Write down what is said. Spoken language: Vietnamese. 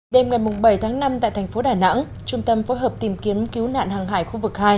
đêm ngày bảy tháng năm tại thành phố đà nẵng trung tâm phối hợp tìm kiếm cứu nạn hàng hải khu vực hai